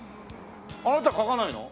あなた描かないの？